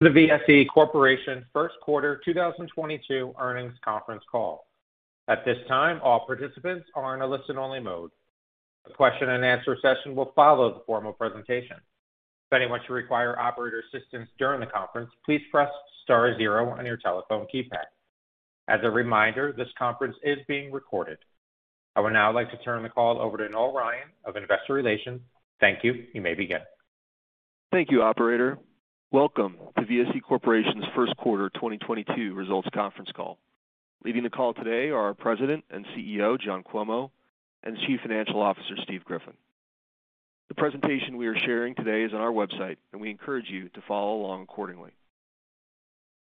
The VSE Corporation First Quarter 2022 Earnings Conference Call. At this time, all participants are in a listen-only mode. A question and answer session will follow the formal presentation. If anyone should require operator assistance during the conference, please press star zero on your telephone keypad. As a reminder, this conference is being recorded. I would now like to turn the call over to Noel Ryan of Investor Relations. Thank you. You may begin. Thank you, operator. Welcome to VSE Corporation's First Quarter 2022 Results Conference Call. Leading the call today are our President and CEO, John Cuomo, and Chief Financial Officer, Steve Griffin. The presentation we are sharing today is on our website, and we encourage you to follow along accordingly.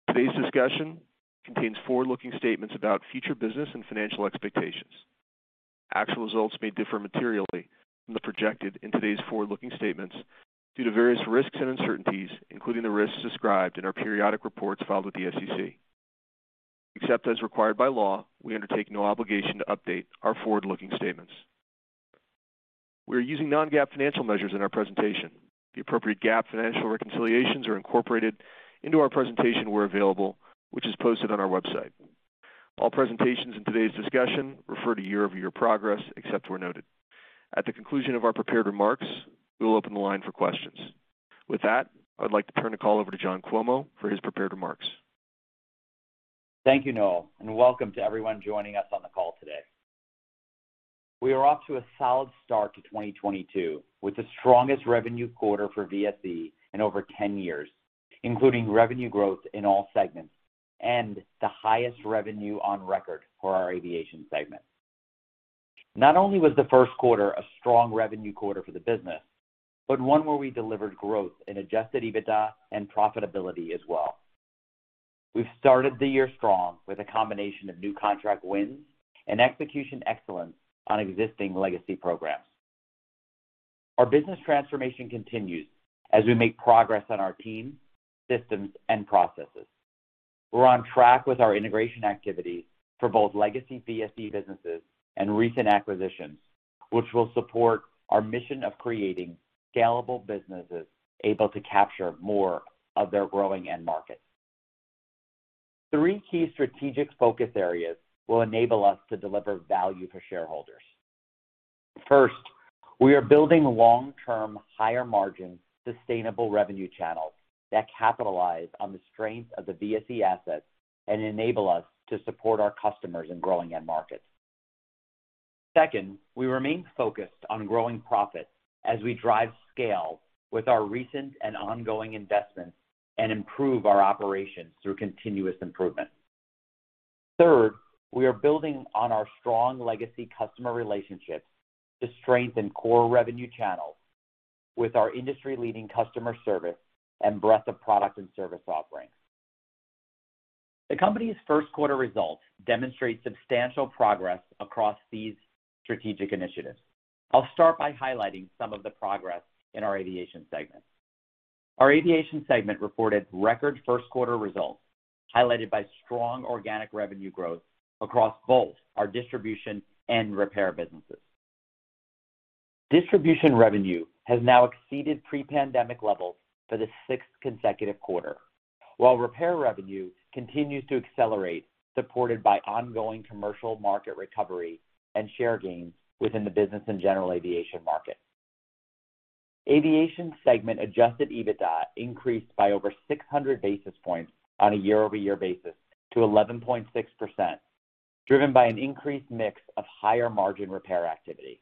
Today's discussion contains forward-looking statements about future business and financial expectations. Actual results may differ materially from those projected in today's forward-looking statements due to various risks and uncertainties, including the risks described in our periodic reports filed with the SEC. Except as required by law, we undertake no obligation to update our forward-looking statements. We are using non-GAAP financial measures in our presentation. The appropriate GAAP financial reconciliations are incorporated into our presentation where available, which is posted on our website. All presentations in today's discussion refer to year-over-year progress, except where noted. At the conclusion of our prepared remarks, we will open the line for questions. With that, I'd like to turn the call over to John Cuomo for his prepared remarks. Thank you, Noel, and welcome to everyone joining us on the call today. We are off to a solid start to 2022, with the strongest revenue quarter for VSE in over 10 years, including revenue growth in all segments and the highest revenue on record for our aviation segment. Not only was the first quarter a strong revenue quarter for the business, but one where we delivered growth in adjusted EBITDA and profitability as well. We've started the year strong with a combination of new contract wins and execution excellence on existing legacy programs. Our business transformation continues as we make progress on our teams, systems, and processes. We're on track with our integration activities for both legacy VSE businesses and recent acquisitions, which will support our mission of creating scalable businesses able to capture more of their growing end markets. Three key strategic focus areas will enable us to deliver value for shareholders. First, we are building long-term, higher margin, sustainable revenue channels that capitalize on the strength of the VSE assets and enable us to support our customers in growing end markets. Second, we remain focused on growing profits as we drive scale with our recent and ongoing investments and improve our operations through continuous improvement. Third, we are building on our strong legacy customer relationships to strengthen core revenue channels with our industry-leading customer service and breadth of product and service offerings. The company's first quarter results demonstrate substantial progress across these strategic initiatives. I'll start by highlighting some of the progress in our aviation segment. Our aviation segment reported record first quarter results, highlighted by strong organic revenue growth across both our distribution and repair businesses. Distribution revenue has now exceeded pre-pandemic levels for the sixth consecutive quarter, while repair revenue continues to accelerate, supported by ongoing commercial market recovery and share gains within the business and general aviation market. Aviation segment adjusted EBITDA increased by over 600 basis points on a year-over-year basis to 11.6%, driven by an increased mix of higher margin repair activity.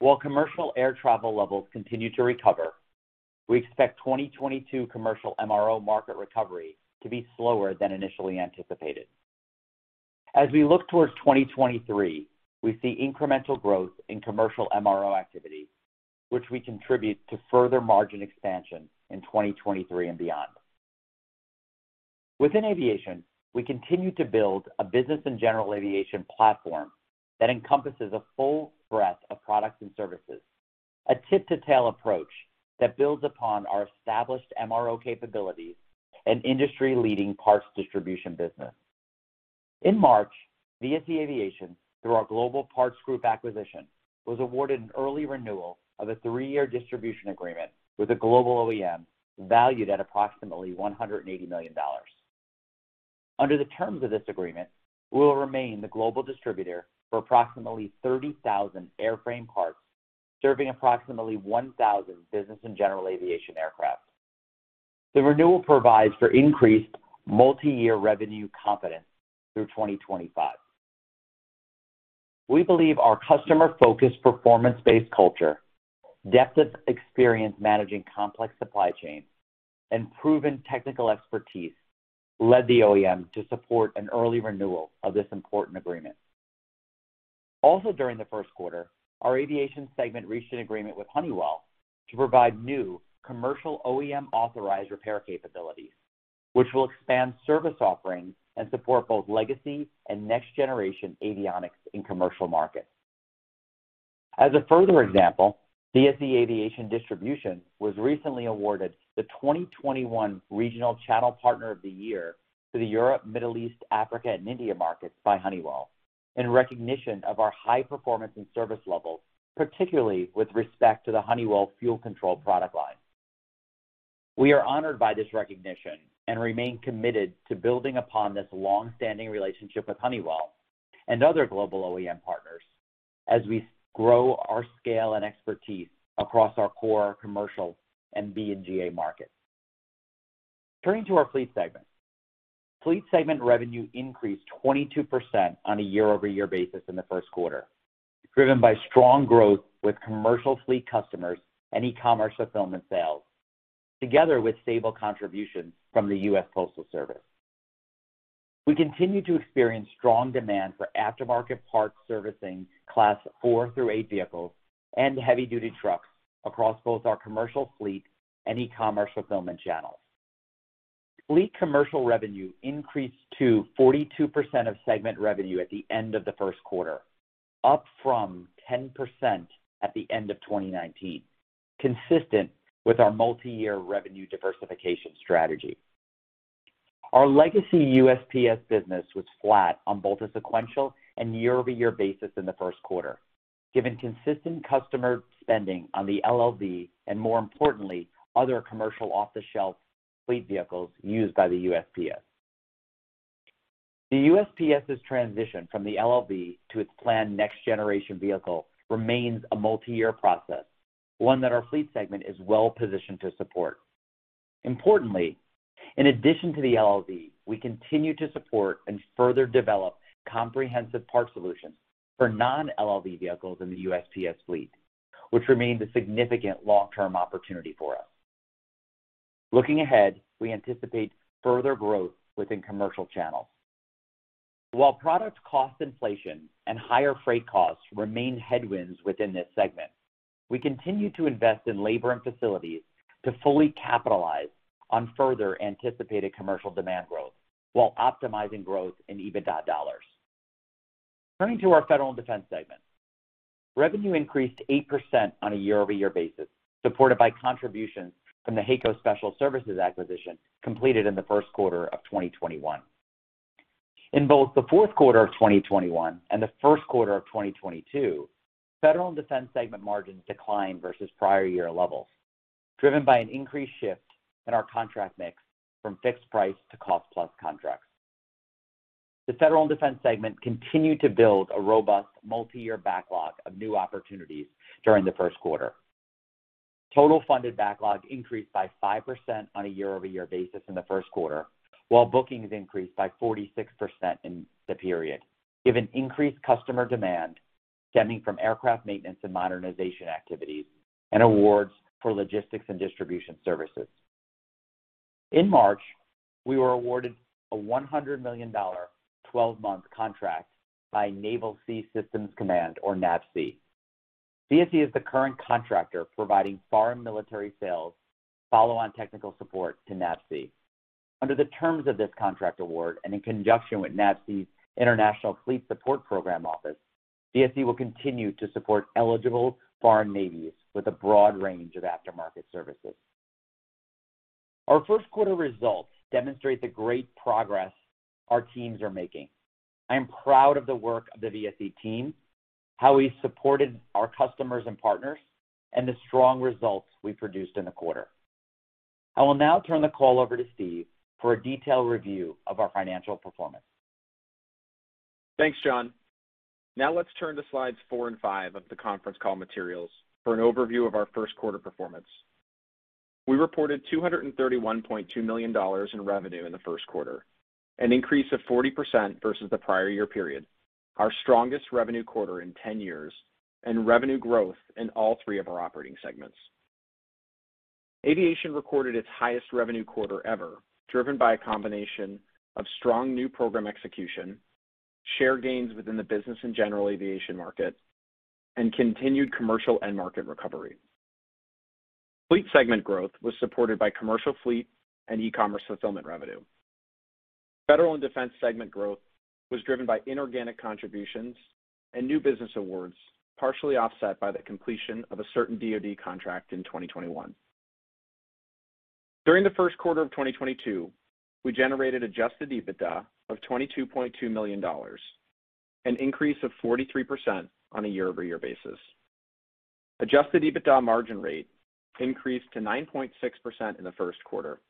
While commercial air travel levels continue to recover, we expect 2022 commercial MRO market recovery to be slower than initially anticipated. As we look towards 2023, we see incremental growth in commercial MRO activity, which we attribute to further margin expansion in 2023 and beyond. Within aviation, we continue to build a business and general aviation platform that encompasses a full breadth of products and services, a tip-to-tail approach that builds upon our established MRO capabilities and industry-leading parts distribution business. In March, VSE Aviation, through our Global Parts Group acquisition, was awarded an early renewal of a three-year distribution agreement with a global OEM valued at approximately $180 million. Under the terms of this agreement, we will remain the global distributor for approximately 30,000 airframe parts, serving approximately 1,000 business and general aviation aircraft. The renewal provides for increased multi-year revenue confidence through 2025. We believe our customer-focused, performance-based culture, depth of experience managing complex supply chains, and proven technical expertise led the OEM to support an early renewal of this important agreement. Also during the first quarter, our aviation segment reached an agreement with Honeywell to provide new commercial OEM authorized repair capabilities, which will expand service offerings and support both legacy and next-generation avionics in commercial markets. As a further example, VSE Aviation Distribution was recently awarded the 2021 Regional Channel Partner of the Year to the Europe, Middle East, Africa, and India markets by Honeywell. In recognition of our high performance and service levels, particularly with respect to the Honeywell fuel control product line. We are honored by this recognition and remain committed to building upon this long-standing relationship with Honeywell and other global OEM partners as we grow our scale and expertise across our core commercial and B&GA markets. Turning to our fleet segment. Fleet segment revenue increased 22% on a year-over-year basis in the first quarter, driven by strong growth with commercial fleet customers and e-commerce fulfillment sales, together with stable contributions from the U.S. Postal Service. We continue to experience strong demand for aftermarket parts servicing Class four through eight vehicles and heavy-duty trucks across both our commercial fleet and e-commerce fulfillment channels. Fleet commercial revenue increased to 42% of segment revenue at the end of the first quarter, up from 10% at the end of 2019, consistent with our multi-year revenue diversification strategy. Our legacy USPS business was flat on both a sequential and year-over-year basis in the first quarter, given consistent customer spending on the LLV and, more importantly, other commercial off-the-shelf fleet vehicles used by the USPS. The USPS's transition from the LLV to its planned next-generation vehicle remains a multi-year process, one that our fleet segment is well-positioned to support. Importantly, in addition to the LLV, we continue to support and further develop comprehensive parts solutions for non-LLV vehicles in the USPS fleet, which remains a significant long-term opportunity for us. Looking ahead, we anticipate further growth within commercial channels. While product cost inflation and higher freight costs remain headwinds within this segment, we continue to invest in labor and facilities to fully capitalize on further anticipated commercial demand growth while optimizing growth in EBITDA dollars. Turning to our federal and defense segment. Revenue increased 8% on a year-over-year basis, supported by contributions from the HAECO Special Services acquisition completed in the first quarter of 2021. In both the fourth quarter of 2021 and the first quarter of 2022, federal and defense segment margins declined versus prior year levels, driven by an increased shift in our contract mix from fixed price to cost plus contracts. The federal and defense segment continued to build a robust multi-year backlog of new opportunities during the first quarter. Total funded backlog increased by 5% on a year-over-year basis in the first quarter, while bookings increased by 46% in the period, given increased customer demand stemming from aircraft maintenance and modernization activities and awards for logistics and distribution services. In March, we were awarded a $100 million twelve-month contract by Naval Sea Systems Command, or NAVSEA. VSE is the current contractor providing foreign military sales follow on technical support to NAVSEA. Under the terms of this contract award, and in conjunction with NAVSEA's International Fleet Support Program Office, VSE will continue to support eligible foreign navies with a broad range of aftermarket services. Our first quarter results demonstrate the great progress our teams are making. I am proud of the work of the VSE team, how we supported our customers and partners, and the strong results we produced in the quarter. I will now turn the call over to Steve for a detailed review of our financial performance. Thanks, John. Now let's turn to slides four and five of the conference call materials for an overview of our first quarter performance. We reported $231.2 million in revenue in the first quarter, an increase of 40% versus the prior year period, our strongest revenue quarter in 10 years, and revenue growth in all three of our operating segments. Aviation recorded its highest revenue quarter ever, driven by a combination of strong new program execution, share gains within the business and general aviation market, and continued commercial end market recovery. Fleet segment growth was supported by commercial fleet and e-commerce fulfillment revenue. Federal and defense segment growth was driven by inorganic contributions and new business awards, partially offset by the completion of a certain DoD contract in 2021. During the first quarter of 2022, we generated adjusted EBITDA of $22.2 million, an increase of 43% on a year-over-year basis. Adjusted EBITDA margin rate increased to 9.6% in the first quarter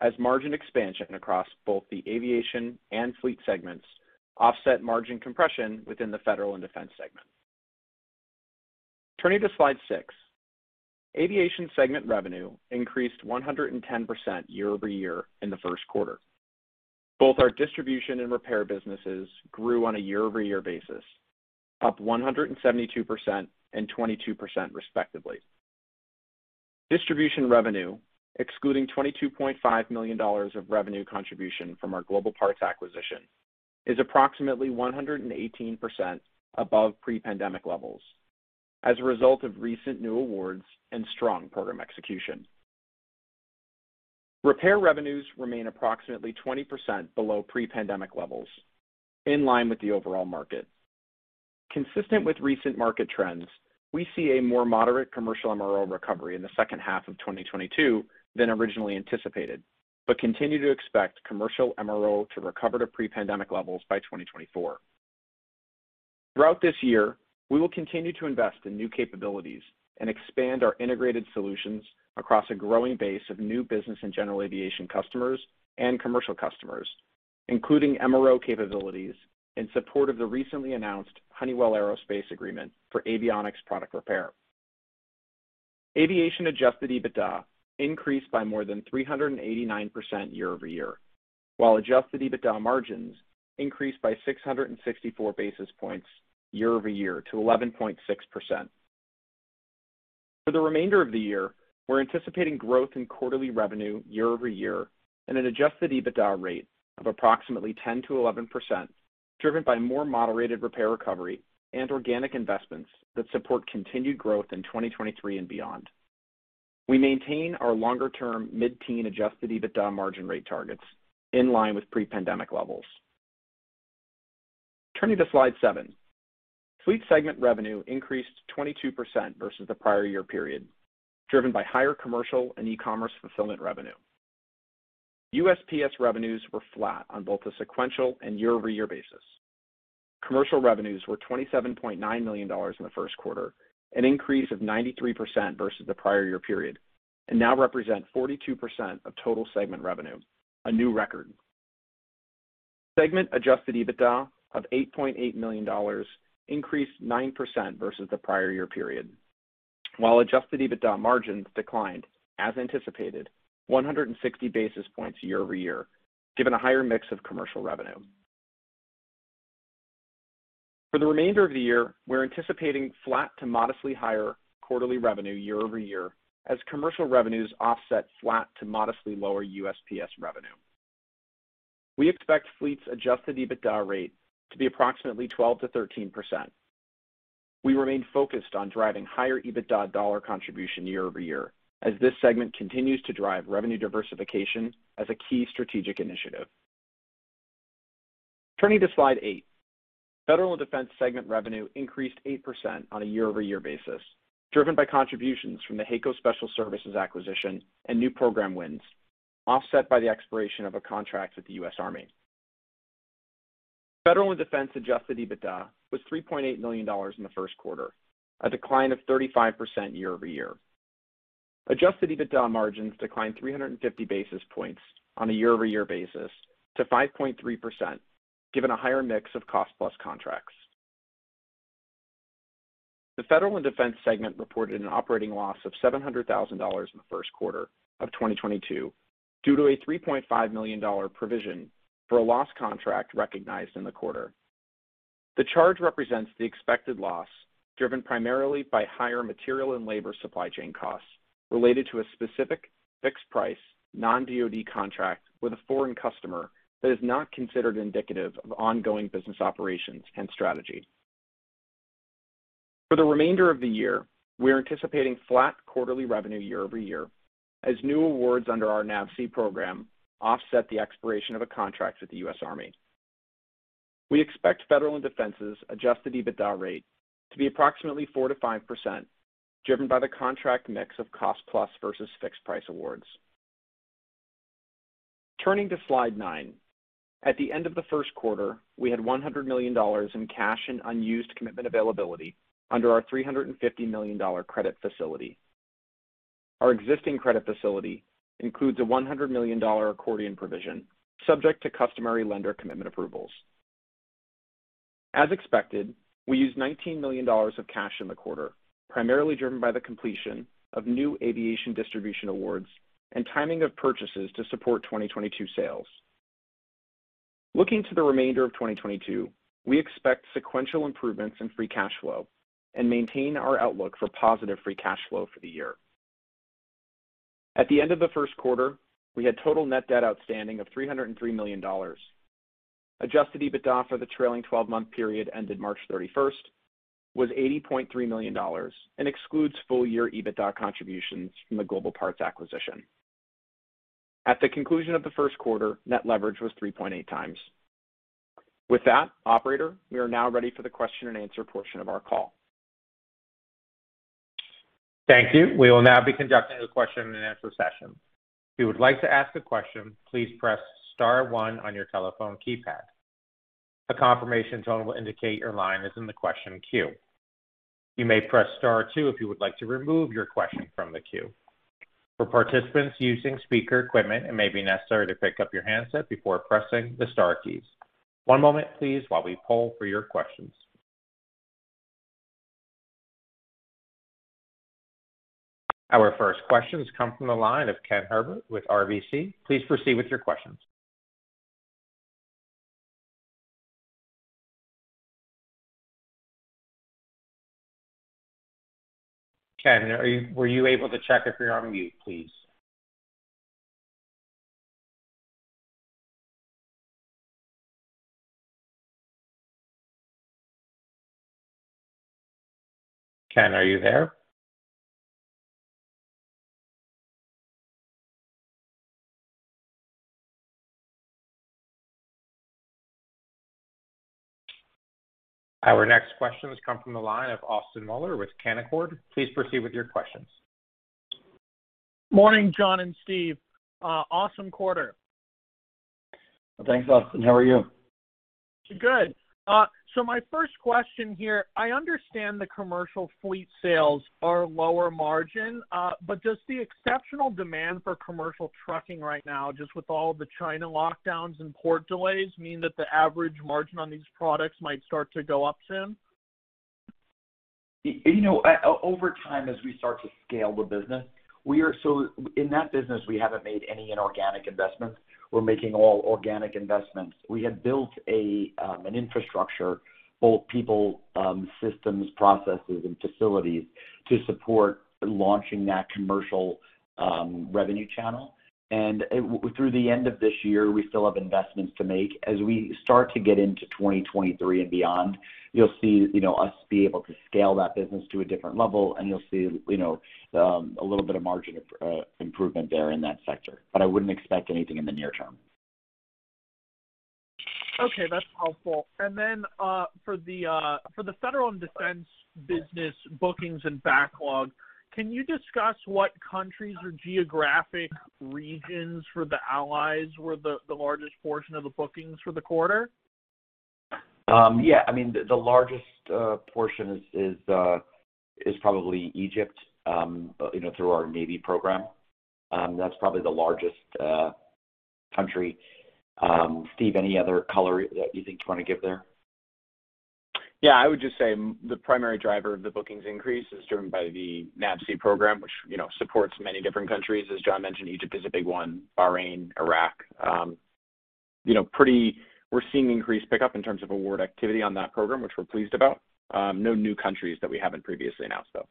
as margin expansion across both the aviation and fleet segments offset margin compression within the federal and defense segment. Turning to slide six. Aviation segment revenue increased 110% year-over-year in the first quarter. Both our distribution and repair businesses grew on a year-over-year basis, up 172% and 22% respectively. Distribution revenue, excluding $22.5 million of revenue contribution from our Global Parts Group acquisition, is approximately 118% above pre-pandemic levels as a result of recent new awards and strong program execution. Repair revenues remain approximately 20% below pre-pandemic levels, in line with the overall market. Consistent with recent market trends, we see a more moderate commercial MRO recovery in the second half of 2022 than originally anticipated, but continue to expect commercial MRO to recover to pre-pandemic levels by 2024. Throughout this year, we will continue to invest in new capabilities and expand our integrated solutions across a growing base of new business and general aviation customers and commercial customers, including MRO capabilities in support of the recently announced Honeywell Aerospace agreement for avionics product repair. Aviation adjusted EBITDA increased by more than 389% year-over-year, while adjusted EBITDA margins increased by 664 basis points year-over-year to 11.6%. For the remainder of the year, we're anticipating growth in quarterly revenue year-over-year and an adjusted EBITDA rate of approximately 10%-11%, driven by more moderated repair recovery and organic investments that support continued growth in 2023 and beyond. We maintain our longer-term mid-teen adjusted EBITDA margin rate targets in line with pre-pandemic levels. Turning to slide seven. Fleet segment revenue increased 22% versus the prior year period, driven by higher commercial and e-commerce fulfillment revenue. USPS revenues were flat on both a sequential and year-over-year basis. Commercial revenues were $27.9 million in the first quarter, an increase of 93% versus the prior year period, and now represent 42% of total segment revenue, a new record. Segment adjusted EBITDA of $8.8 million increased 9% versus the prior year period, while adjusted EBITDA margins declined, as anticipated, 160 basis points year-over-year, given a higher mix of commercial revenue. For the remainder of the year, we're anticipating flat to modestly higher quarterly revenue year-over-year as commercial revenues offset flat to modestly lower USPS revenue. We expect fleet's adjusted EBITDA rate to be approximately 12%-13%. We remain focused on driving higher EBITDA dollar contribution year-over-year as this segment continues to drive revenue diversification as a key strategic initiative. Turning to slide eight. Federal and Defense segment revenue increased 8% on a year-over-year basis, driven by contributions from the HAECO Special Services acquisition and new program wins, offset by the expiration of a contract with the U.S. Army. Federal and Defense adjusted EBITDA was $3.8 million in the first quarter, a decline of 35% year-over-year. Adjusted EBITDA margins declined 350 basis points on a year-over-year basis to 5.3%, given a higher mix of cost plus contracts. The Federal and Defense segment reported an operating loss of $700,000 in the first quarter of 2022 due to a $3.5 million provision for a loss contract recognized in the quarter. The charge represents the expected loss driven primarily by higher material and labor supply chain costs related to a specific fixed price non-DoD contract with a foreign customer that is not considered indicative of ongoing business operations and strategy. For the remainder of the year, we are anticipating flat quarterly revenue year-over-year as new awards under our NAVSEA program offset the expiration of a contract with the U.S. Army. We expect Federal and Defense's adjusted EBITDA rate to be approximately 4%-5%, driven by the contract mix of cost plus versus fixed price awards. Turning to slide nine. At the end of the first quarter, we had $100 million in cash and unused commitment availability under our $350 million credit facility. Our existing credit facility includes a $100 million accordion provision subject to customary lender commitment approvals. As expected, we used $19 million of cash in the quarter, primarily driven by the completion of new aviation distribution awards and timing of purchases to support 2022 sales. Looking to the remainder of 2022, we expect sequential improvements in free cash flow and maintain our outlook for positive free cash flow for the year. At the end of the first quarter, we had total net debt outstanding of $303 million. Adjusted EBITDA for the trailing twelve-month period ended 31 March was $80.3 million and excludes full year EBITDA contributions from the Global Parts acquisition. At the conclusion of the first quarter, net leverage was 3.8 times. With that, operator, we are now ready for the question and answer portion of our call. Thank you. We will now be conducting a question and answer session. If you would like to ask a question, please press star one on your telephone keypad. A confirmation tone will indicate your line is in the question queue. You may press star two if you would like to remove your question from the queue. For participants using speaker equipment, it may be necessary to pick up your handset before pressing the star keys. One moment please while we poll for your questions. Our first questions come from the line of Ken Herbert with RBC. Please proceed with your questions. Ken, were you able to check if you're on mute, please? Ken, are you there? Our next questions come from the line of Austin Moeller with Canaccord. Please proceed with your questions. Morning, John and Steve. Awesome quarter. Thanks, Austin. How are you? Good. My first question here, I understand the commercial fleet sales are lower margin, but does the exceptional demand for commercial trucking right now, just with all the China lockdowns and port delays, mean that the average margin on these products might start to go up soon? You know, over time, as we start to scale the business, so in that business, we haven't made any inorganic investments. We're making all organic investments. We have built an infrastructure, both people, systems, processes, and facilities to support launching that commercial revenue channel. Through the end of this year, we still have investments to make. As we start to get into 2023 and beyond, you'll see, you know, us be able to scale that business to a different level, and you'll see, you know, a little bit of margin improvement there in that sector. I wouldn't expect anything in the near term. Okay, that's helpful. For the federal and defense business bookings and backlog, can you discuss what countries or geographic regions for the allies were the largest portion of the bookings for the quarter? Yeah. I mean, the largest portion is probably Egypt, you know, through our Navy program. That's probably the largest country. Steve, any other color that you think you wanna give there? Yeah. I would just say the primary driver of the bookings increase is driven by the NAVSEA program, which, you know, supports many different countries. As John mentioned, Egypt is a big one, Bahrain, Iraq. You know, we're seeing increased pickup in terms of award activity on that program, which we're pleased about. No new countries that we haven't previously announced, though.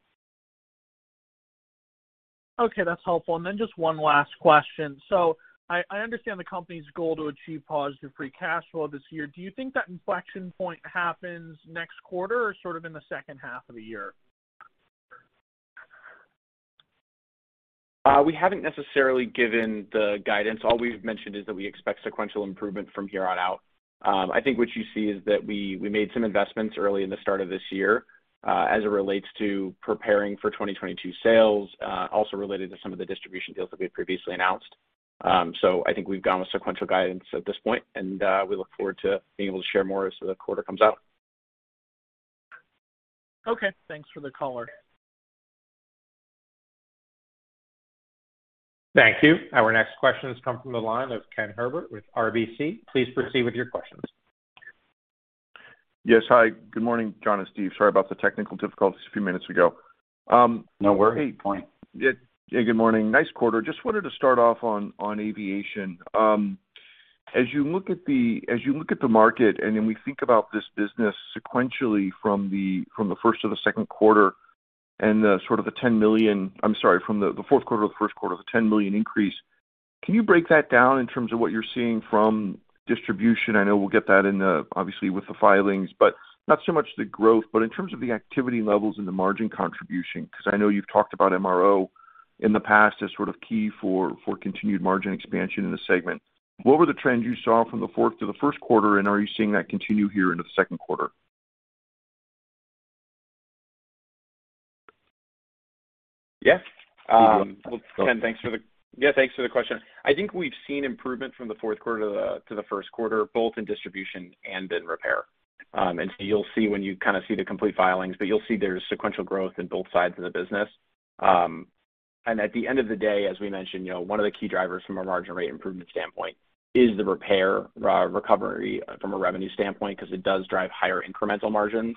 Okay, that's helpful. Just one last question. I understand the company's goal to achieve positive free cash flow this year. Do you think that inflection point happens next quarter or sort of in the second half of the year? We haven't necessarily given the guidance. All we've mentioned is that we expect sequential improvement from here on out. I think what you see is that we made some investments early in the start of this year, as it relates to preparing for 2022 sales, also related to some of the distribution deals that we had previously announced. I think we've gone with sequential guidance at this point, and we look forward to being able to share more as the quarter comes out. Okay. Thanks for the color. Thank you. Our next question comes from the line of Ken Herbert with RBC. Please proceed with your questions. Yes. Hi. Good morning, John and Steve. Sorry about the technical difficulties a few minutes ago. No worries. Yeah. Good morning. Nice quarter. Just wanted to start off on aviation. As you look at the market, and then we think about this business sequentially from the first to the second quarter and sort of the $10 million increase. I'm sorry, from the fourth quarter to the first quarter, the $10 million increase, can you break that down in terms of what you're seeing from distribution? I know we'll get that in the, obviously, with the filings, but not so much the growth, but in terms of the activity levels and the margin contribution, because I know you've talked about MRO in the past as sort of key for continued margin expansion in the segment. What were the trends you saw from the fourth to the first quarter, and are you seeing that continue here into the second quarter? Yeah. Ken, thanks for the question. I think we've seen improvement from the fourth quarter to the first quarter, both in distribution and in repair. You'll see when you kind of see the complete filings, but you'll see there's sequential growth in both sides of the business. At the end of the day, as we mentioned, you know, one of the key drivers from a margin rate improvement standpoint is the repair recovery from a revenue standpoint because it does drive higher incremental margins,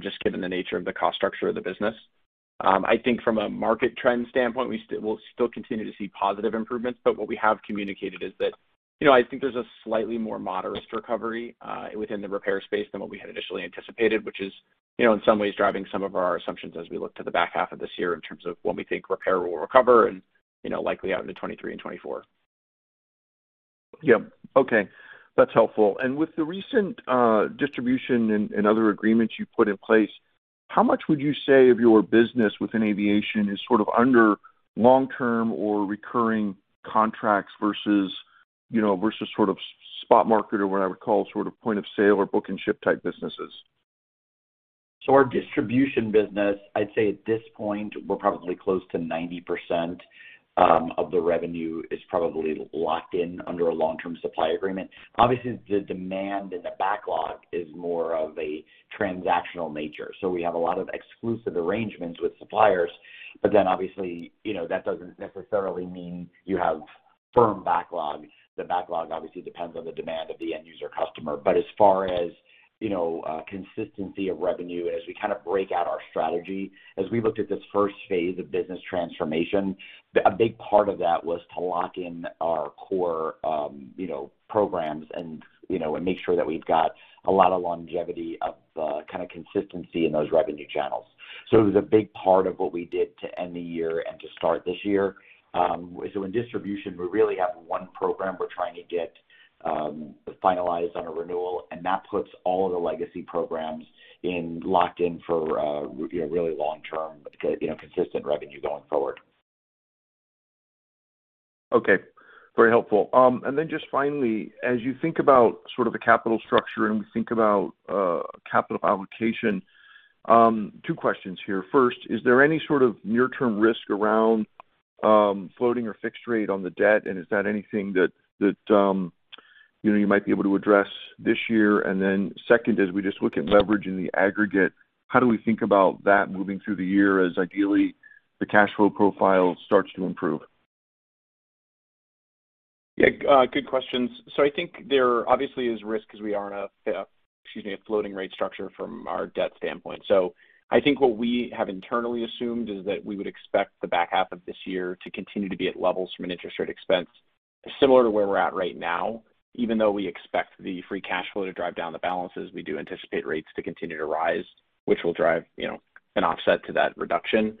just given the nature of the cost structure of the business. I think from a market trend standpoint, we'll still continue to see positive improvements. What we have communicated is that, you know, I think there's a slightly more modest recovery within the repair space than what we had initially anticipated, which is, you know, in some ways driving some of our assumptions as we look to the back half of this year in terms of when we think repair will recover and, you know, likely out into 2023 and 2024. Yeah. Okay. That's helpful. With the recent, distribution and other agreements you've put in place, how much would you say of your business within aviation is sort of under long-term or recurring contracts versus, you know, versus sort of spot market or what I would call sort of point of sale or book and ship type businesses? Our distribution business, I'd say at this point, we're probably close to 90% of the revenue is probably locked in under a long-term supply agreement. Obviously, the demand and the backlog is more of a transactional nature. We have a lot of exclusive arrangements with suppliers, but then obviously, you know, that doesn't necessarily mean you have firm backlog. The backlog obviously depends on the demand of the end user customer. As far as, you know, consistency of revenue, as we kind of break out our strategy, as we looked at this first phase of business transformation, a big part of that was to lock in our core programs and make sure that we've got a lot of longevity of kind of consistency in those revenue channels. It was a big part of what we did to end the year and to start this year. In distribution, we really have one program we're trying to get finalized on a renewal, and that puts all of the legacy programs in, locked in for, you know, really long-term, you know, consistent revenue going forward. Okay. Very helpful. Just finally, as you think about sort of the capital structure and we think about capital allocation, two questions here. First, is there any sort of near-term risk around floating or fixed rate on the debt? Is that anything that you know, you might be able to address this year? Second, as we just look at leverage in the aggregate, how do we think about that moving through the year as ideally the cash flow profile starts to improve? Yeah, good questions. I think there obviously is risk 'cause we are in a, excuse me, a floating rate structure from our debt standpoint. I think what we have internally assumed is that we would expect the back half of this year to continue to be at levels from an interest rate expense similar to where we're at right now. Even though we expect the free cash flow to drive down the balances, we do anticipate rates to continue to rise, which will drive, you know, an offset to that reduction.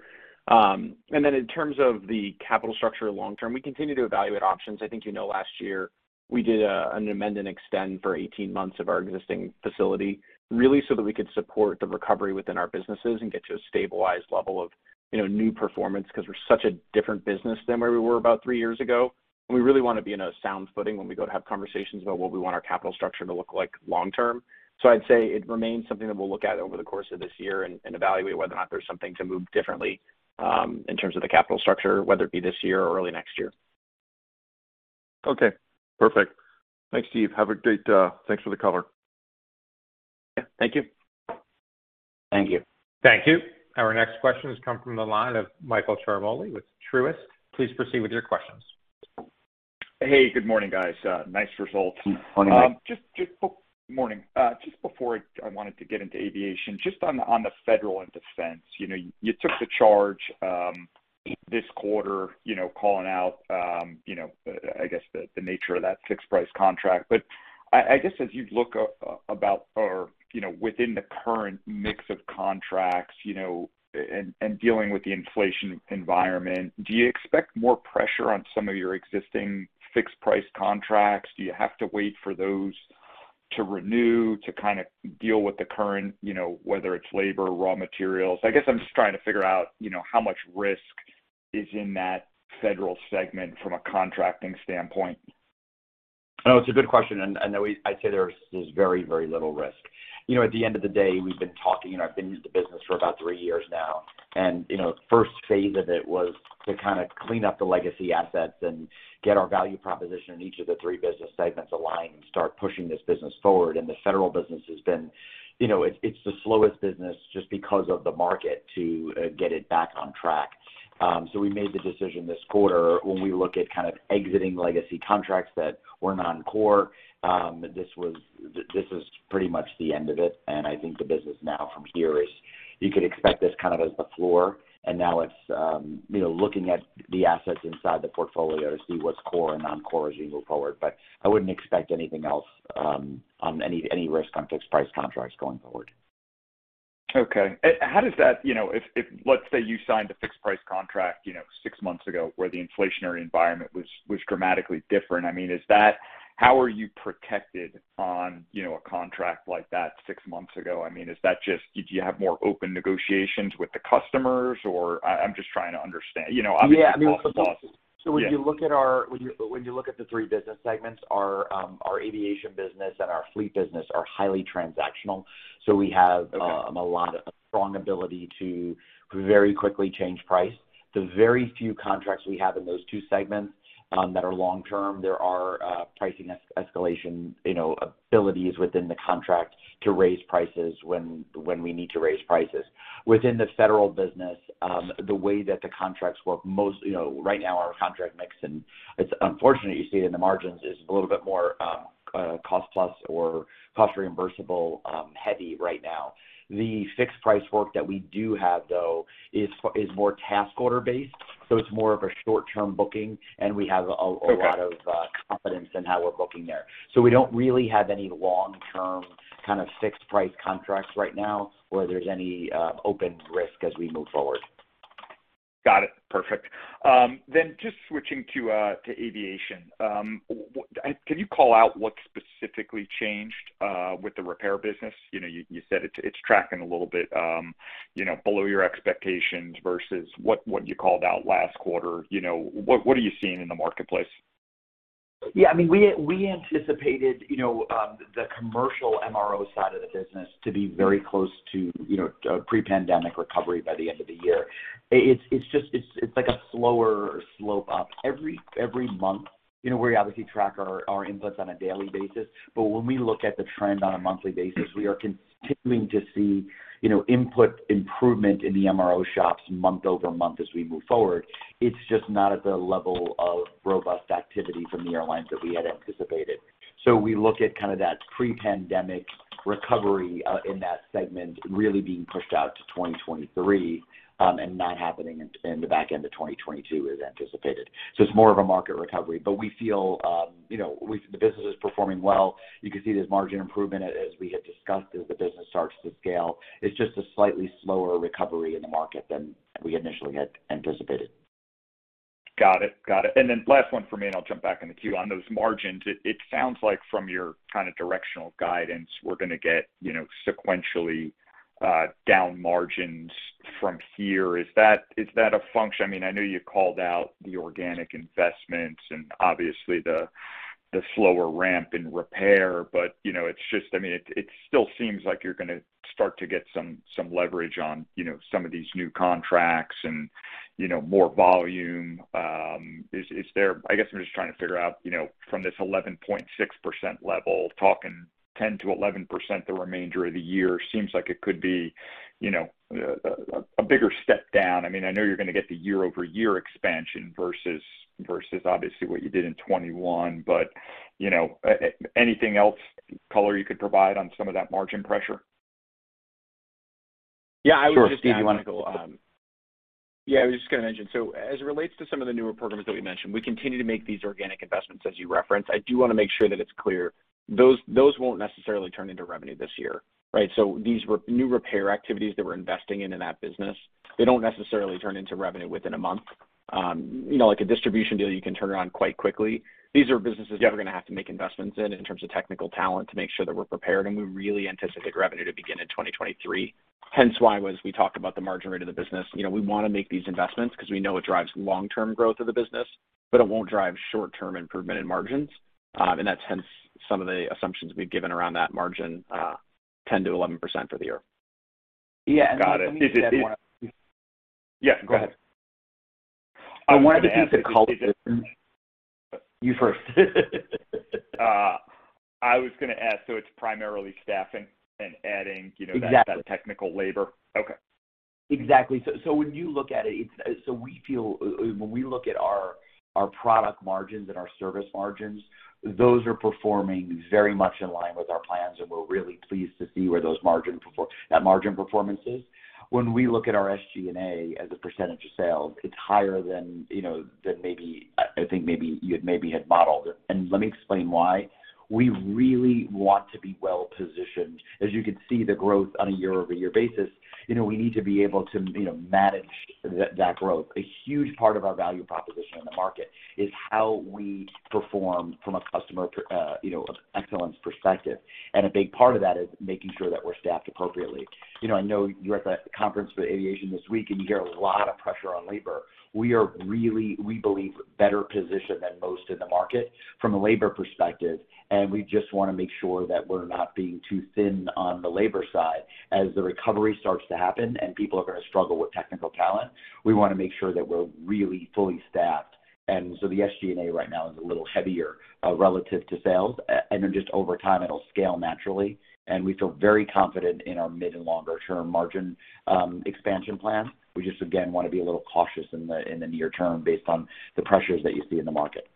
Then in terms of the capital structure long term, we continue to evaluate options. I think, you know, last year, we did an amend and extend for 18 months of our existing facility, really so that we could support the recovery within our businesses and get to a stabilized level of, you know, new performance 'cause we're such a different business than where we were about three years ago. We really wanna be in a sound footing when we go to have conversations about what we want our capital structure to look like long term. I'd say it remains something that we'll look at over the course of this year and evaluate whether or not there's something to move differently, in terms of the capital structure, whether it be this year or early next year. Okay. Perfect. Thanks, Steve. Have a great day. Thanks for the color. Yeah. Thank you. Thank you. Thank you. Our next question has come from the line of Michael Ciarmoli with Truist. Please proceed with your questions. Hey, good morning, guys. Nice results. Morning. Morning. Just before I wanted to get into aviation, just on the federal and defense. You know, you took the charge this quarter, you know, calling out, I guess the nature of that fixed price contract. But I guess as you look about or, you know, within the current mix of contracts, you know, and dealing with the inflation environment, do you expect more pressure on some of your existing fixed price contracts? Do you have to wait for those to renew to kinda deal with the current, you know, whether it's labor, raw materials? I guess I'm just trying to figure out, you know, how much risk is in that federal segment from a contracting standpoint. No, it's a good question. I'd say there's very little risk. You know, at the end of the day, we've been talking, and I've been in the business for about three years now. You know, the first phase of it was to kinda clean up the legacy assets and get our value proposition in each of the three business segments aligned and start pushing this business forward. The federal business has been. You know, it's the slowest business just because of the market to get it back on track. We made the decision this quarter when we look at kind of exiting legacy contracts that were non-core. This is pretty much the end of it. I think the business now from here is you could expect this kind of as the floor. Now it's, you know, looking at the assets inside the portfolio to see what's core and non-core as we move forward. I wouldn't expect anything else, on any risk on fixed price contracts going forward. You know, if let's say you signed a fixed price contract, you know, six months ago, where the inflationary environment was dramatically different. I mean, how are you protected on, you know, a contract like that six months ago? I mean, do you have more open negotiations with the customers? Or I'm just trying to understand. You know, obviously. Yeah. I mean, when Yeah When you look at the three business segments, our aviation business and our fleet business are highly transactional. We have- Okay A strong ability to very quickly change price. The very few contracts we have in those two segments that are long-term, there are pricing escalation, you know, abilities within the contract to raise prices when we need to raise prices. Within the federal business, the way that the contracts work most, you know, right now our contract mix, and it's unfortunate you see it in the margins, is a little bit more cost plus or cost reimbursable heavy right now. The fixed price work that we do have, though, is more task order-based, so it's more of a short-term booking, and we have a Okay lot of confidence in how we're booking there. We don't really have any long-term kind of fixed price contracts right now where there's any open risk as we move forward. Got it. Perfect. Just switching to aviation. Can you call out what specifically changed with the repair business? You know, you said it's tracking a little bit below your expectations versus what you called out last quarter. You know, what are you seeing in the marketplace? Yeah. I mean, we anticipated, you know, the commercial MRO side of the business to be very close to, you know, pre-pandemic recovery by the end of the year. It's just like a slower slope up. Every month, you know, we obviously track our inputs on a daily basis, but when we look at the trend on a monthly basis, we are continuing to see, you know, input improvement in the MRO shops month-over-month as we move forward. It's just not at the level of robust activity from the airlines that we had anticipated. We look at kind of that pre-pandemic recovery in that segment really being pushed out to 2023, and not happening in the back end of 2022 as anticipated. It's more of a market recovery. We feel, you know, the business is performing well. You can see there's margin improvement, as we had discussed, as the business starts to scale. It's just a slightly slower recovery in the market than we initially had anticipated. Got it. Last one for me, and I'll jump back in the queue. On those margins, it sounds like from your kind of directional guidance, we're gonna get, you know, sequentially, down margins from here, is that a function, I mean, I know you called out the organic investments and obviously the slower ramp in repair, but, you know, it's just, I mean, it still seems like you're gonna start to get some leverage on, you know, some of these new contracts and, you know, more volume. Is there, I guess I'm just trying to figure out, you know, from this 11.6% level, talking 10%-11% the remainder of the year seems like it could be, you know, a bigger step down. I mean, I know you're gonna get the year-over-year expansion versus obviously what you did in 2021. You know, anything else color you could provide on some of that margin pressure? Yeah. I would just add, Michael. Yeah, I was just gonna mention. As it relates to some of the newer programs that we mentioned, we continue to make these organic investments as you referenced. I do wanna make sure that it's clear, those won't necessarily turn into revenue this year, right? These new repair activities that we're investing in that business, they don't necessarily turn into revenue within a month. You know, like a distribution deal you can turn around quite quickly. These are businesses that we're gonna have to make investments in terms of technical talent to make sure that we're prepared, and we really anticipate revenue to begin in 2023. Hence why we talked about the margin rate of the business. You know, we wanna make these investments 'cause we know it drives long-term growth of the business, but it won't drive short-term improvement in margins. That's hence some of the assumptions we've given around that margin, 10%-11% for the year. Got it. Yeah. Let me just add one. Yeah, go ahead. I wanted to piece of color- You first. I was gonna add, so it's primarily staffing and adding, you know. Exactly that technical labor. Okay. Exactly. When we look at our product margins and our service margins, those are performing very much in line with our plans, and we're really pleased to see where that margin performance is. When we look at our SG&A as a percentage of sales, it's higher than, you know, than maybe I think you had modeled. Let me explain why. We really want to be well-positioned. As you can see the growth on a year-over-year basis, you know, we need to be able to, you know, manage that growth. A huge part of our value proposition in the market is how we perform from a customer, you know, excellence perspective. A big part of that is making sure that we're staffed appropriately. You know, I know you're at the conference for aviation this week, and you hear a lot of pressure on labor. We are really, we believe, better positioned than most in the market from a labor perspective, and we just wanna make sure that we're not being too thin on the labor side. As the recovery starts to happen and people are gonna struggle with technical talent, we wanna make sure that we're really fully staffed. The SG&A right now is a little heavier relative to sales. Then just over time, it'll scale naturally. We feel very confident in our mid and longer term margin expansion plan. We just, again, wanna be a little cautious in the near term based on the pressures that you see in the market.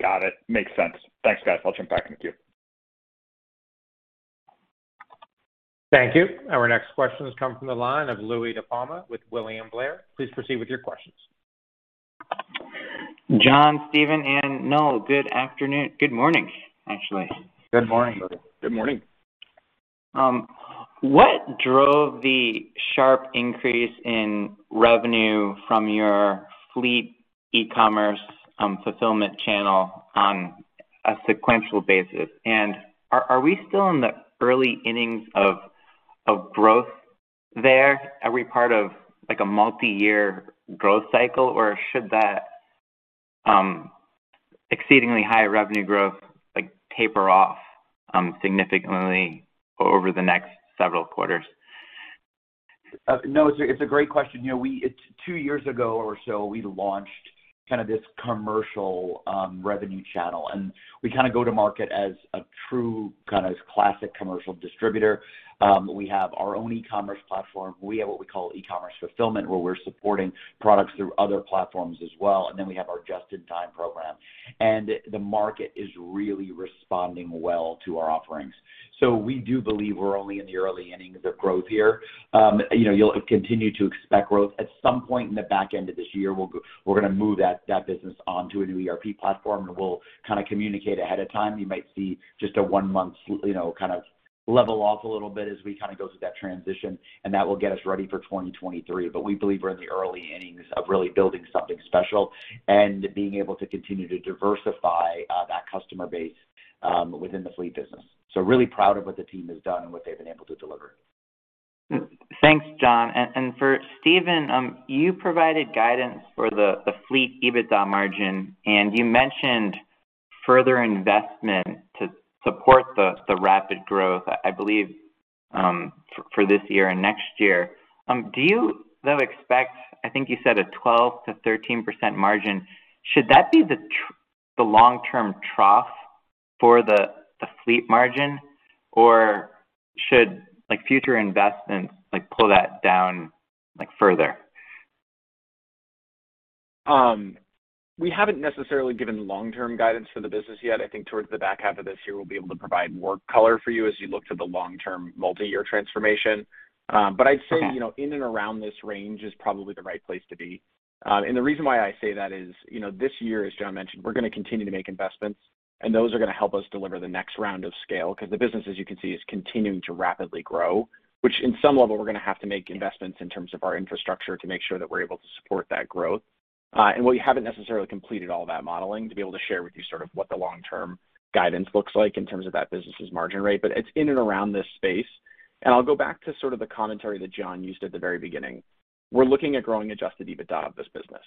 Got it. Makes sense. Thanks, guys. I'll jump back in the queue. Thank you. Our next question has come from the line of Louie DiPalma with William Blair. Please proceed with your questions. John, Steve, and Noel, good afternoon. Good morning, actually. Good morning. Good morning. What drove the sharp increase in revenue from your fleet e-commerce fulfillment channel on a sequential basis? Are we still in the early innings of growth there? Are we part of like a multi-year growth cycle, or should that exceedingly high revenue growth like taper off significantly over the next several quarters? No, it's a great question. You know, it's two years ago or so, we launched kind of this commercial revenue channel, and we kinda go to market as a true kind of classic commercial distributor. We have our own e-commerce platform. We have what we call e-commerce fulfillment, where we're supporting products through other platforms as well. We have our just-in-time program. The market is really responding well to our offerings. We do believe we're only in the early innings of growth here. You know, you'll continue to expect growth. At some point in the back end of this year, we're gonna move that business onto a new ERP platform, and we'll kinda communicate ahead of time. You might see just a one-month, you know, kind of level off a little bit as we kinda go through that transition, and that will get us ready for 2023. We believe we're in the early innings of really building something special and being able to continue to diversify that customer base within the fleet business. Really proud of what the team has done and what they've been able to deliver. Thanks, John. For Steve, you provided guidance for the fleet EBITDA margin, and you mentioned further investment to support the rapid growth, I believe, for this year and next year. Do you though expect, I think you said a 12%-13% margin, should that be the long-term trough for the fleet margin, or should like, future investments like, pull that down, like, further? We haven't necessarily given long-term guidance for the business yet. I think towards the back half of this year we'll be able to provide more color for you as you look to the long-term multi-year transformation. Okay you know, in and around this range is probably the right place to be. The reason why I say that is, you know, this year, as John mentioned, we're gonna continue to make investments, and those are gonna help us deliver the next round of scale, 'cause the business, as you can see, is continuing to rapidly grow, which in some level, we're gonna have to make investments in terms of our infrastructure to make sure that we're able to support that growth, and we haven't necessarily completed all that modeling to be able to share with you sort of what the long-term guidance looks like in terms of that business's margin rate, but it's in and around this space. I'll go back to sort of the commentary that John used at the very beginning. We're looking at growing adjusted EBITDA of this business.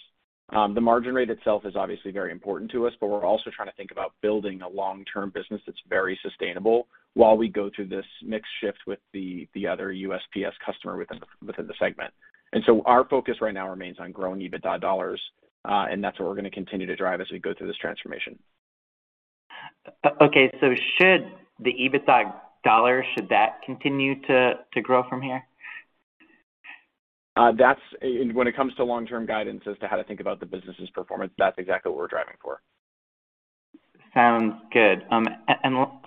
The margin rate itself is obviously very important to us, but we're also trying to think about building a long-term business that's very sustainable while we go through this mix shift with the other USPS customer within the segment. Our focus right now remains on growing EBITDA dollars, and that's what we're gonna continue to drive as we go through this transformation. Okay, should the EBITDA dollars continue to grow from here? When it comes to long-term guidance as to how to think about the business's performance, that's exactly what we're driving for. Sounds good.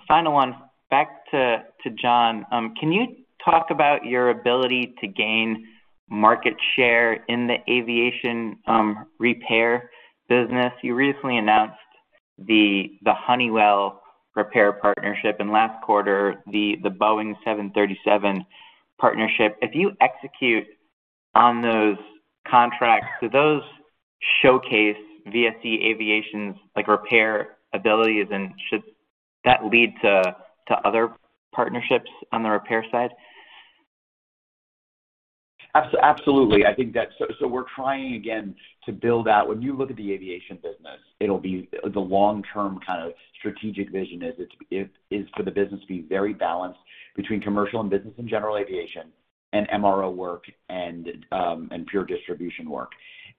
Final one, back to John. Can you talk about your ability to gain market share in the aviation repair business? You recently announced the Honeywell repair partnership, and last quarter, the Boeing 737 partnership. If you execute on those contracts, do those showcase VSE Aviation's, like, repair abilities, and should that lead to other partnerships on the repair side? Absolutely. I think that we're trying, again, to build out. When you look at the aviation business, it'll be the long-term kind of strategic vision is for the business to be very balanced between commercial and business and general aviation, and MRO work and pure distribution work.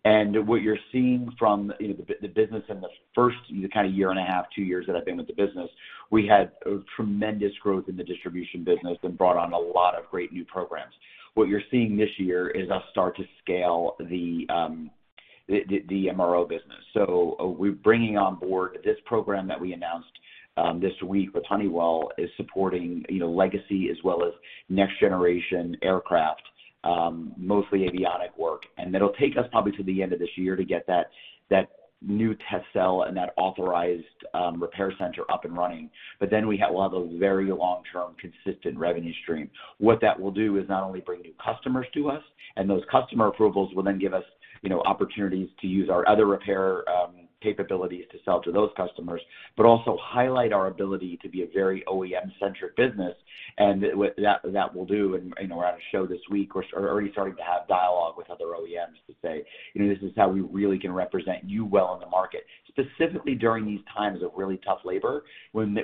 What you're seeing from, you know, the business in the first kind of year and a half, two years that I've been with the business, we had tremendous growth in the distribution business and brought on a lot of great new programs. What you're seeing this year is us start to scale the MRO business. We're bringing on board this program that we announced this week with Honeywell, is supporting, you know, legacy as well as next generation aircraft, mostly avionic work. It'll take us probably to the end of this year to get that new test cell and that authorized repair center up and running. Then we will have a very long-term, consistent revenue stream. What that will do is not only bring new customers to us, and those customer approvals will then give us, you know, opportunities to use our other repair capabilities to sell to those customers, but also highlight our ability to be a very OEM-centric business, and that will do. You know, we're at a show this week, we're already starting to have dialogue with other OEMs to say, you know, "This is how we really can represent you well in the market, specifically during these times of really tough labor, when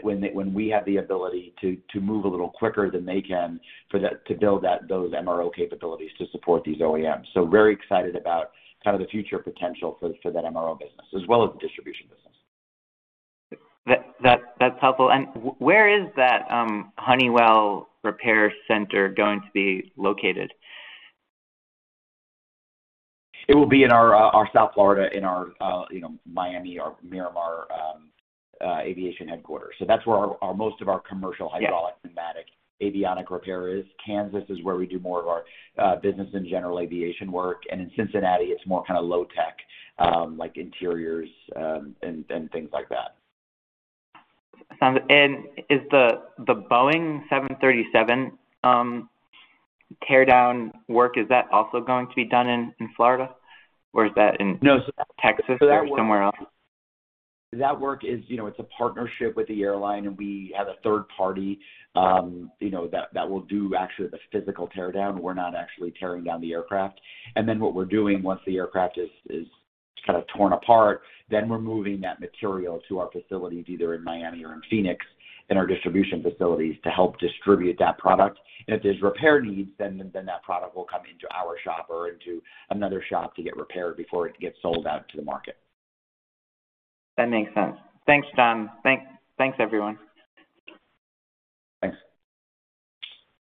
we have the ability to move a little quicker than they can to build those MRO capabilities to support these OEMs." Very excited about kind of the future potential for that MRO business as well as the distribution business. That's helpful. Where is that Honeywell repair center going to be located? It will be in our South Florida, in our you know, Miami or Miramar aviation headquarters. That's where most of our commercial hydraulic and pneumatic avionic repair is. Kansas is where we do more of our business and general aviation work, and in Cincinnati it's more kind of low tech, like interiors, and things like that. Is the Boeing 737 teardown work also going to be done in Florida or is that in- No. Texas or somewhere else? That work is. You know, it's a partnership with the airline, and we have a third party, you know, that will do actually the physical teardown. We're not actually tearing down the aircraft. What we're doing once the aircraft is kind of torn apart, then we're moving that material to our facilities, either in Miami or in Phoenix, in our distribution facilities to help distribute that product. If there's repair needs, then that product will come into our shop or into another shop to get repaired before it gets sold out to the market. That makes sense. Thanks, John. Thanks, everyone. Thanks.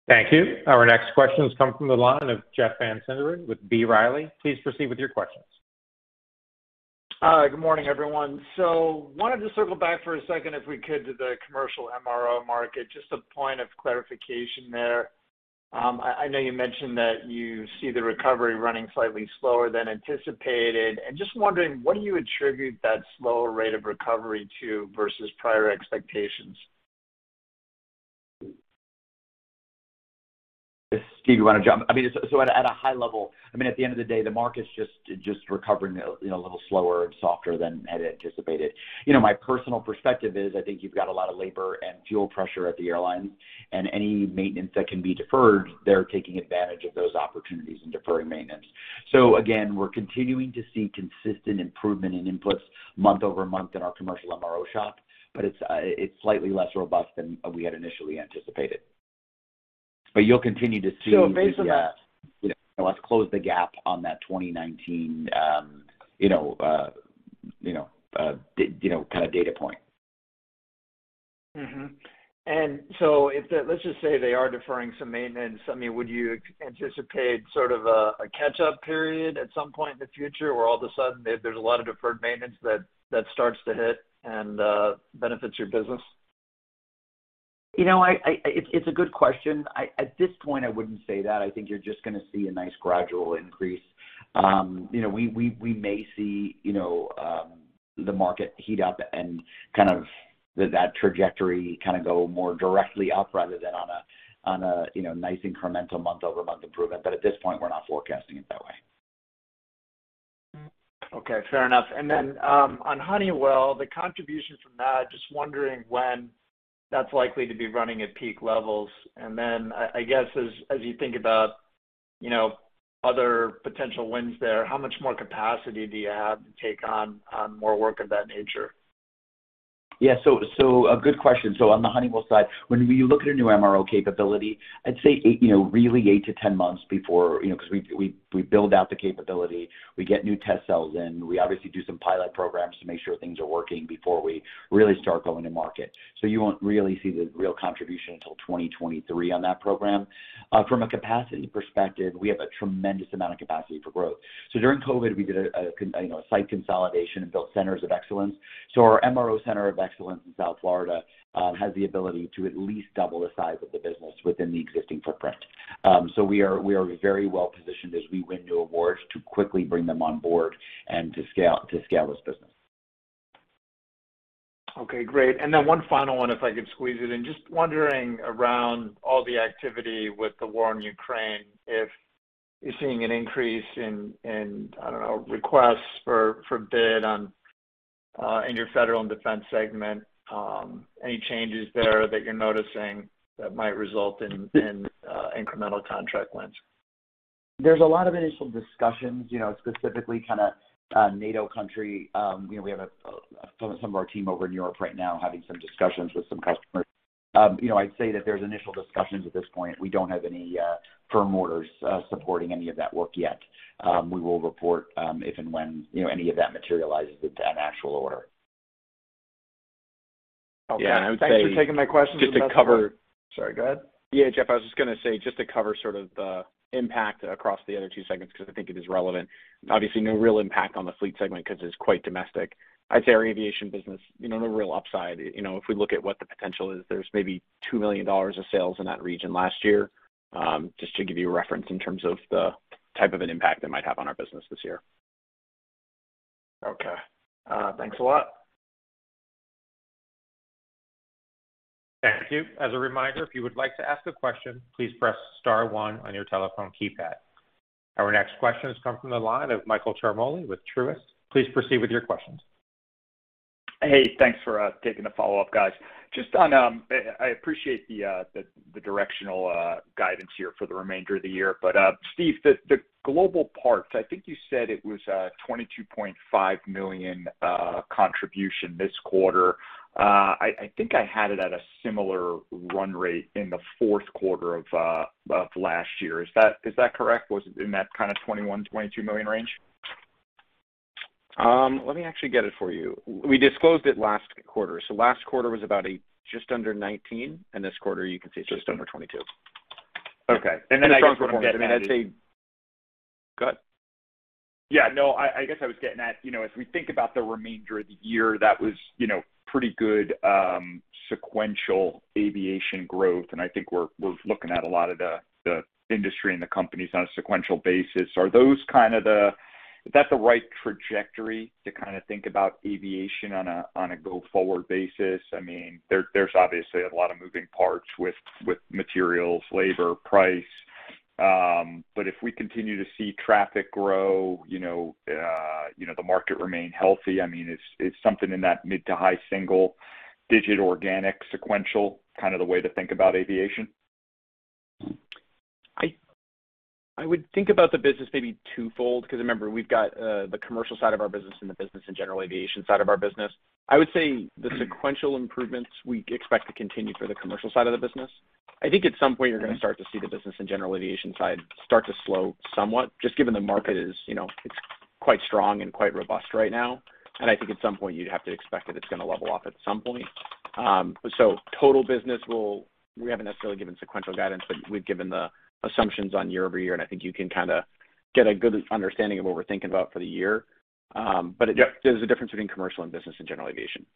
Thank you. Our next question comes from the line of Jeff Van Sinderen with B. Riley. Please proceed with your questions. Hi. Good morning, everyone. Wanted to circle back for a second, if we could, to the commercial MRO market. Just a point of clarification there. I know you mentioned that you see the recovery running slightly slower than anticipated. Just wondering, what do you attribute that slower rate of recovery to versus prior expectations? I mean, at a high level, I mean, at the end of the day, the market's just recovering, you know, a little slower and softer than had anticipated. You know, my personal perspective is I think you've got a lot of labor and fuel pressure at the airlines, and any maintenance that can be deferred, they're taking advantage of those opportunities and deferring maintenance. We're continuing to see consistent improvement in inputs month-over-month in our commercial MRO shop, but it's slightly less robust than we had initially anticipated. You'll continue to see. Based on that. You know, let's close the gap on that 2019, you know, you know, kind of data point. Mm-hmm. Let's just say they are deferring some maintenance. I mean, would you anticipate sort of a catch-up period at some point in the future where all of a sudden there's a lot of deferred maintenance that starts to hit and benefits your business? You know, it's a good question. At this point, I wouldn't say that. I think you're just gonna see a nice gradual increase. You know, we may see you know the market heat up and kind of that trajectory kind of go more directly up rather than on a, you know, nice incremental month-over-month improvement. At this point, we're not forecasting it that way. Okay. Fair enough. On Honeywell, the contribution from that, just wondering when that's likely to be running at peak levels? I guess as you think about, you know, other potential wins there, how much more capacity do you have to take on more work of that nature? A good question. On the Honeywell side, when we look at a new MRO capability, I'd say eight, you know, really eight to 10 months before, you know, 'cause we build out the capability, we get new test cells in. We obviously do some pilot programs to make sure things are working before we really start going to market. You won't really see the real contribution till 2023 on that program. From a capacity perspective, we have a tremendous amount of capacity for growth. During COVID, we did a site consolidation and built centers of excellence. Our MRO center of excellence in South Florida has the ability to at least double the size of the business within the existing footprint. We are very well-positioned as we win new awards to quickly bring them on board and to scale this business. Okay, great. One final one, if I could squeeze it in. Just wondering about all the activity with the war in Ukraine, if you're seeing an increase in, I don't know, requests for bids in your federal and defense segment. Any changes there that you're noticing that might result in incremental contract wins? There's a lot of initial discussions, you know, specifically kinda NATO country. We have some of our team over in Europe right now having some discussions with some customers. You know, I'd say that there's initial discussions at this point. We don't have any firm orders supporting any of that work yet. We will report if and when, you know, any of that materializes into an actual order. Okay. Yeah. I would say. Thanks for taking my questions. Just to cover. Sorry, go ahead. Yeah, Jeff, I was just gonna say just to cover sort of the impact across the other two segments 'cause I think it is relevant. Obviously, no real impact on the fleet segment 'cause it's quite domestic. I'd say our aviation business, you know, no real upside. You know, if we look at what the potential is, there's maybe $2 million of sales in that region last year, just to give you a reference in terms of the type of an impact it might have on our business this year. Okay. Thanks a lot. Thank you. As a reminder, if you would like to ask a question, please press star one on your telephone keypad. Our next question has come from the line of Michael Ciarmoli with Truist. Please proceed with your questions. Hey, thanks for taking the follow-up, guys. Just on... I appreciate the directional guidance here for the remainder of the year. Steve, the Global Parts, I think you said it was $22.5 million contribution this quarter. I think I had it at a similar run rate in the fourth quarter of last year. Is that correct? Was it in that kinda $21-$22 million range? Let me actually get it for you. We disclosed it last quarter. Last quarter was about a just under 19, and this quarter you can see it's just under 22. Okay. I just wanna get at it. Strong performance. I mean, I'd say. Go ahead. Yeah, no. I guess I was getting at, you know, as we think about the remainder of the year, that was, you know, pretty good, sequential aviation growth, and I think we're looking at a lot of the industry and the companies on a sequential basis. Is that the right trajectory to kinda think about aviation on a go-forward basis? I mean, there's obviously a lot of moving parts with materials, labor, price. If we continue to see traffic grow, you know, the market remain healthy, I mean, is something in that mid to high single digit organic sequential, kind of the way to think about aviation? I would think about the business maybe twofold 'cause remember, we've got the commercial side of our business and the business and general aviation side of our business. I would say the sequential improvements we expect to continue for the commercial side of the business. I think at some point you're gonna start to see the business and general aviation side start to slow somewhat, just given the market is, you know, it's quite strong and quite robust right now. I think at some point you'd have to expect that it's gonna level off at some point. We haven't necessarily given sequential guidance, but we've given the assumptions on year-over-year, and I think you can kinda get a good understanding of what we're thinking about for the year. Yeah. There's a difference between commercial and business and general aviation.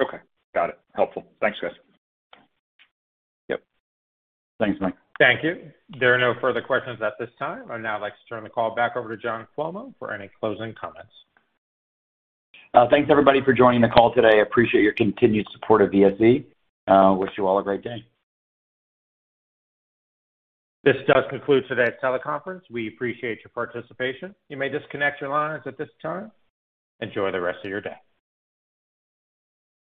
Okay. Got it. Helpful. Thanks, guys. Yep. Thanks, Mike. Thank you. There are no further questions at this time. I'd now like to turn the call back over to John Cuomo for any closing comments. Thanks everybody for joining the call today. Appreciate your continued support of VSE. Wish you all a great day. This does conclude today's teleconference. We appreciate your participation. You may disconnect your lines at this time. Enjoy the rest of your day.